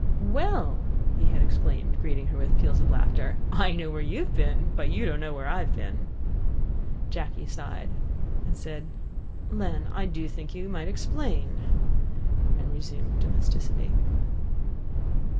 "Well?" he had exclaimed, greeting her with peals of laughter. "I know where you've been, but you don't know where I've been. " Jacky sighed, said, "Len, I do think you might explain," and resumed domesticity.